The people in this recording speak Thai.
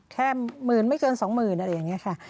แค่หมื่นไม่เกิน๒หมื่นอะไรอย่างนี้ค่ะ